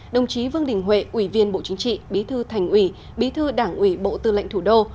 đồng chí vương đình huệ ủy viên bộ chính trị bí thư thành ủy bí thư đảng ủy bộ tư lệnh thủ đô